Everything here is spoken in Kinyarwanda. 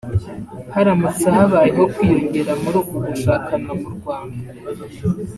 Haramutse habayeho kwiyongera muri uku gushakana mu Rwanda